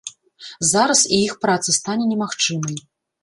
Зараз і іх праца стане немагчымай.